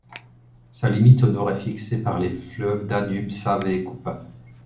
Sa limite au nord est fixée par les fleuves Danube-Save-Kupa.